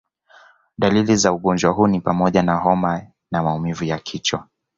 Dalili za ugonjwa huu ni pamoja na homa na maumivu ya kichwa